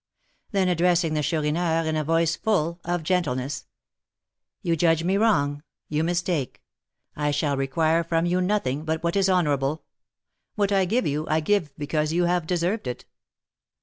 Then addressing the Chourineur, in a voice full of gentleness: "You judge me wrong, you mistake: I shall require from you nothing but what is honourable. What I give you, I give because you have deserved it."